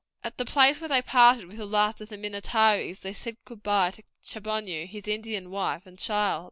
At the place where they parted with the last of the Minnetarees they said goodbye to Chaboneau, his Indian wife, and child.